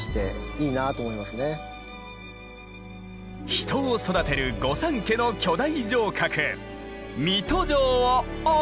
人を育てる御三家の巨大城郭水戸城をおすすめ！